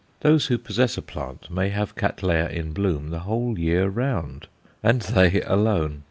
Those who possess a plant may have Cattleyas in bloom the whole year round and they alone.